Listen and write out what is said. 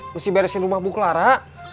mesti beresin rumah bu clara